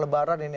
lebaran mas eko